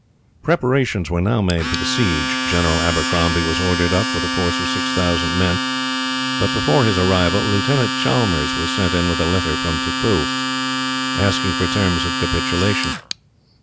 Preparations were now made for the siege. General Abercrombie was ordered up, with a force of six thousand men, but before his arrival, Lieutenant Chalmers was sent in with a letter from Tippoo, asking for terms of capitulation.